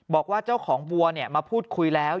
บอกว่าเจ้าของวัวมาพูดคุยแล้ว